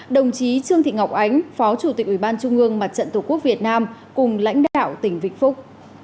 đồng chí trương thị ngọc ánh phó chủ tịch ubnd mặt trận tổ quốc việt nam cùng lãnh đạo tỉnh vĩnh phúc